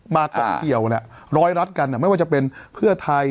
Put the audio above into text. มาต่อเกี่ยวเนี้ยร้อยรัฐกันเนี้ยไม่ว่าจะเป็นเพื่อไทย